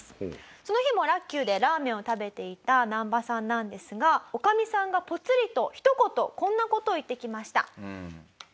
その日も楽久でラーメンを食べていたナンバさんなんですが女将さんがポツリと一言こんな事を言ってきました。